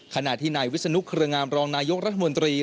ขณะที่นายวิศนุเครืองามรองนายกรัฐมนตรี